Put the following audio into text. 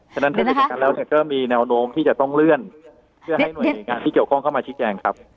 ฉะนั้นถ้าไม่อย่างนั้นแล้วก็มีแนวโน้มที่จะต้องเลื่อนเพื่อให้หน่วยงานที่เกี่ยวข้องเข้ามาชี้แจงครับ